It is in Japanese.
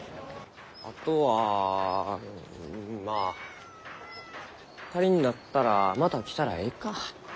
あとはまあ足りんなったらまた来たらえいか。